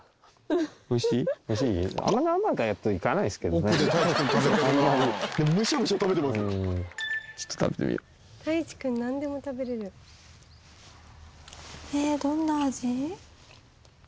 どんな味？」